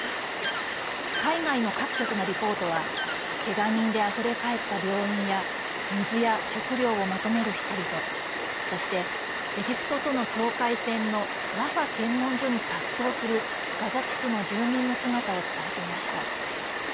海外の各局のリポートはけが人であふれかえった病院や水や食料を求める人々そしてエジプトとの境界線のラファ検問所に殺到するガザ地区の住民の姿を伝えていました。